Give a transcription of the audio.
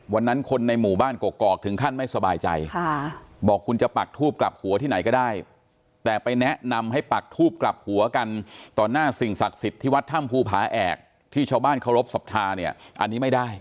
วันนั้นคนในหมู่บ้านกกอกถึงขั้นไม่สบายใจบอกคุณจะปักทูบกลับหัวที่ไหนก็ได้แต่ไปแนะนำให้ปักทูบกลับหัวกันต่อหน้าสิ่งศักดิ์สิทธิ์ที่วัดถ้ำภูผาแอกที่ชาวบ้านเคารพสัทธาเนี่ยอันนี้ไม่ได้